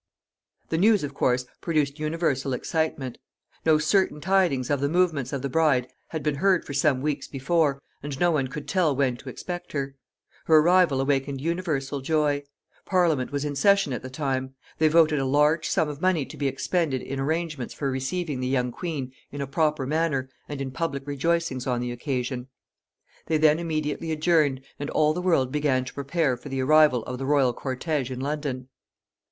The news, of course, produced universal excitement. No certain tidings of the movements of the bride had been heard for some weeks before, and no one could tell when to expect her. Her arrival awakened universal joy. Parliament was in session at the time. They voted a large sum of money to be expended in arrangements for receiving the young queen in a proper manner, and in public rejoicings on the occasion. They then immediately adjourned, and all the world began to prepare for the arrival of the royal cortége in London.